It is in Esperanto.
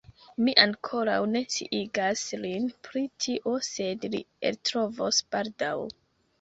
Mi ankoraŭ ne sciigas lin pri tio sed li eltrovos baldaŭ